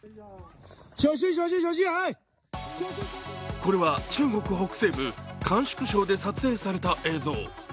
これは中国北西部甘粛省で撮影された映像。